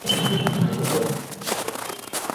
কিন্তু না, শব্দটা বেড়েই চলেছে।